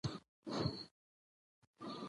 د پیرودونکو پوښتنې په ډیر صبر سره ځوابیږي.